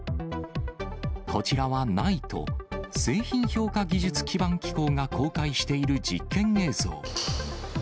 こちらは、ＮＩＴＥ・製品評価技術基盤機構が公開している実験映像。